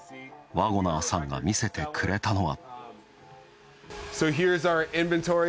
ワゴナーさんが見せてくれたのは。